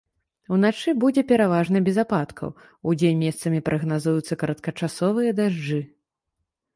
Уначы будзе пераважна без ападкаў, удзень месцамі прагназуюцца кароткачасовыя дажджы.